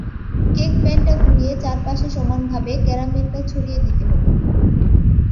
Cake প্যানটা ঘুরিয়ে চারপাশে সমান ভাবে ক্যারামেলটা ছড়িয়ে দিতে হবে।